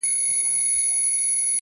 علم د انسان ځواک زیاتوي!